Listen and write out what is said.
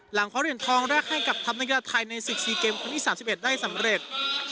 คว้าเหรียญทองแรกให้กับทัพนักกีฬาไทยในศึก๔เกมคนที่๓๑ได้สำเร็จ